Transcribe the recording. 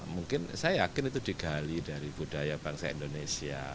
mungkin saya yakin itu digali dari budaya bangsa indonesia